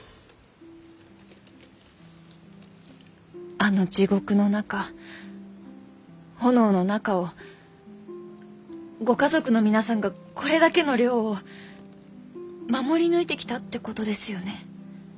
あの地獄の中炎の中をご家族の皆さんがこれだけの量を守り抜いてきたってことですよね？